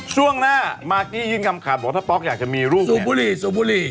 ช่วงหน้ามากกี้ยื่นคำขาดบอกว่าถ้าป๊อกอยากจะมีลูกสูบบุหรี่สูบบุหรี่